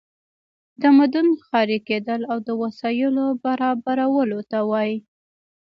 تمدن ښاري کیدل او د وسایلو برابرولو ته وایي.